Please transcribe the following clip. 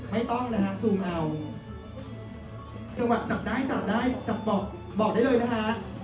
ไม่ต้องนะฮะเอาขวดจับได้จับได้จับบอกบอกได้เลยนะฮะ